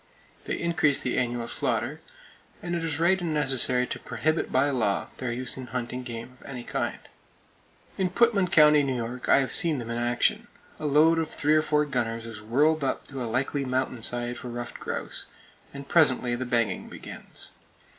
They increase the annual slaughter; and it is right and necessary to prohibit by law their use in hunting game of any kind. In Putman County, New York, I have seen them in action. A load of three or four gunners is whirled up to a likely mountain side for ruffed grouse, and presently the banging begins.